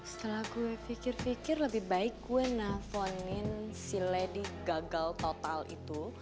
setelah gue pikir pikir lebih baik kue naflonin si lady gagal total itu